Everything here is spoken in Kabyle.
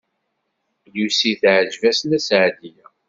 Lucy teɛjeb-as Nna Seɛdiya.